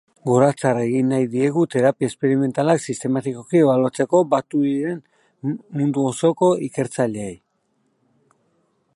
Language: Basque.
Gorazarre egin nahi diegu terapia esperimentalak sistematikoki ebaluatzeko batu diren mundu osoko ikertzaileei.